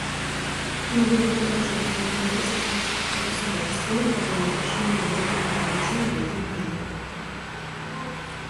Мы будем продолжать взаимодействовать с государствами, обладающими ядерным оружием, в этом плане.